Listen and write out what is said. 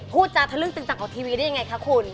พูดจากเรื่องมาใกล้จากกับทีวีด้วยยังไงค่ะคุณ